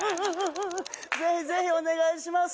ぜひぜひお願いします